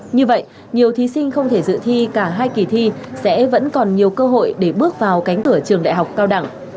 như vậy nhiều thí sinh không thể dự thi cả hai kỳ thi sẽ vẫn còn nhiều cơ hội để bước vào cánh cửa trường đại học cao đẳng